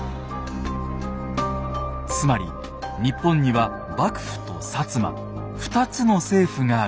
つまり日本には幕府と摩２つの政府がある。